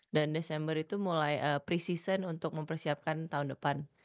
dan desember itu mulai pre season untuk mempersiapkan tahun depan